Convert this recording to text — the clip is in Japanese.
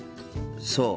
そう。